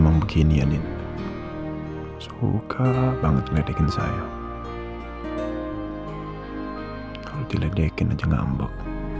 pokoknya tapi sekarang ada ketika talked up